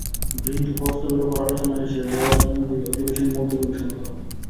গৃহীত প্রস্তাবের ওপর আলোচনা শেষে রেওয়াজ অনুযায়ী অধিবেশন মুলতুবি ঘোষণা করা হয়।